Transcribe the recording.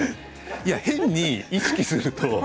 変に意識すると。